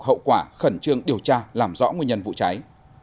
hậu quả khẩn trương điều tra làm rõ nguyên nhân vụ cháy